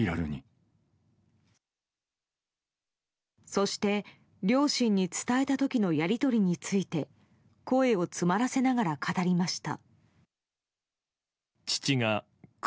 そして両親に伝えた時のやり取りについて声を詰まらせながら語りました。